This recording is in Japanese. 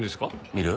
見る？